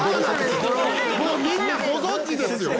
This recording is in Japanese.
「もうみんなご存じですよ！」